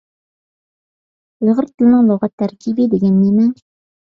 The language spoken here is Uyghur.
ئۇيغۇر تىلىنىڭ لۇغەت تەركىبى دېگەن نېمە؟